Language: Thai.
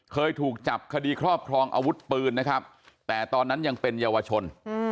เคยถูกจับคดีครอบครองอาวุธปืนนะครับแต่ตอนนั้นยังเป็นเยาวชน